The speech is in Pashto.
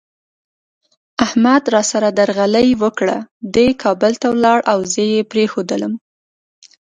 احمد را سره درغلي وکړه، دی کابل ته ولاړ او زه یې پرېښودلم.